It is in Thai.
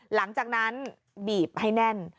หลังจากนั้นบีบให้แน่น